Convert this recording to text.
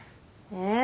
え